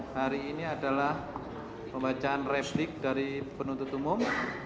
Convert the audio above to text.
hari ini adalah pembacaan replik dari penuntut umum